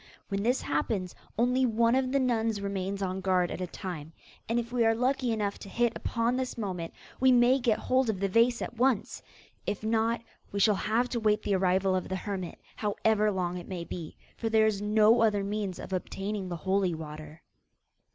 When this happens, only one of the nuns remains on guard at a time, and if we are lucky enough to hit upon this moment, we may get hold of the vase at once; if not, we shall have to wait the arrival of the hermit, however long it may be; for there is no other means of obtaining the holy water.